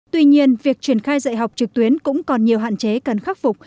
tuy nhiên việc triển khai dạy học trực tuyến cũng còn nhiều hạn chế cần khắc phục